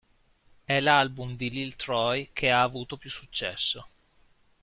E l'album di Lil'Troy che ha avuto più successo.